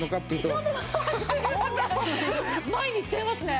前に行っちゃいますね。